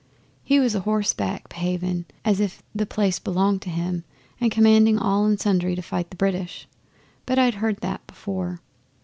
He was a horseback behaving as if the place belonged to him and commanding all and sundry to fight the British. But I'd heard that before.